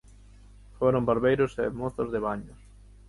Foron barbeiros e mozos de baños.